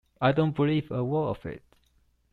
I don’t believe a word of it.